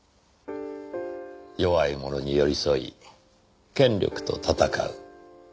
弱い者に寄り添い権力と戦う。